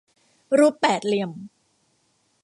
รูปแปดเหลี่ยม